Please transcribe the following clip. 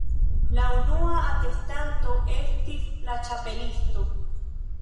La unua atestanto estis la Ĉapelisto.